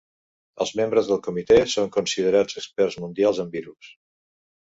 Els membres del comitè són considerats experts mundials en virus.